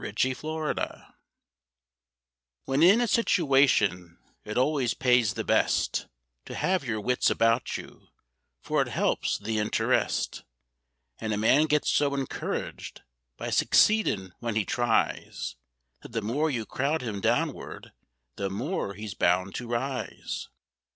ARIZONA JOHN When in a situation it always pays the best To have your wits about you, for it helps the interest; And a man gets so encouraged by succeedin' when he tries, That the more you crowd him downward, the more he's bound to rise.